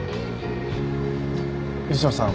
吉野さん